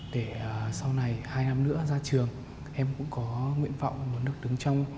để sau này hai năm nữa ra trường em cũng có nguyện vọng muốn được đứng trong